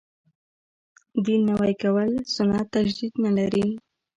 دین نوی کول کتاب سنت تجدید نه لري.